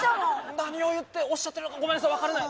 何を言っておっしゃってるのかごめんなさい分からない。